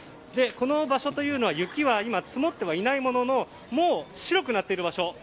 この場所というのは雪は積もってはいないもののもう白くなっている場所